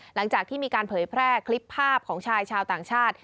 หลังจากที่มีการเผยแพร่คลิปภาพของชายชาวต่างชาติ